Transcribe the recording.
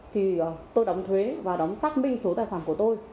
thì tôi đóng thuế và đóng tắc minh số tài khoản của tôi